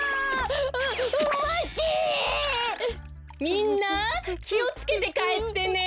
みんなきをつけてかえってね。